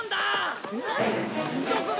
どこだ？